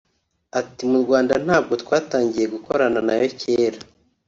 Ati “Mu Rwanda ntabwo twatangiye gukorana na yo kera